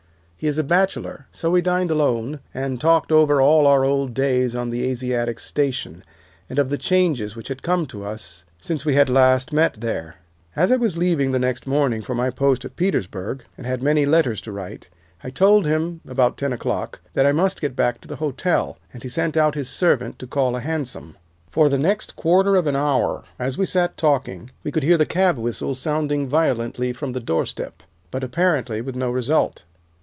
He is a bachelor, so we dined alone and talked over all our old days on the Asiatic Station, and of the changes which had come to us since we had last met there. As I was leaving the next morning for my post at Petersburg, and had many letters to write, I told him, about ten o'clock, that I must get back to the hotel, and he sent out his servant to call a hansom. "For the next quarter of an hour, as we sat talking, we could hear the cab whistle sounding violently from the doorstep, but apparently with no result.